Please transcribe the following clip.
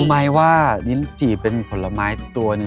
รู้ไหมว่าลิ้นจี่เป็นผลไม้ตัวหนึ่ง